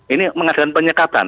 ini mengadakan penyekatan